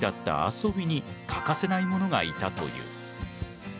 遊びに欠かせないものがいたという。